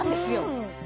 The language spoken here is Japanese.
うん。